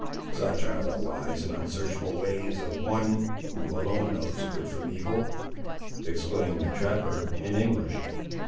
"Such are the wise and uns'archable ways of One who alone knows good from evil!" exclaimed the trapper, in English.